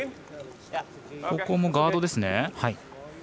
ここもガードですね。